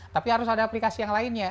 tapi harus ada aplikasi yang lainnya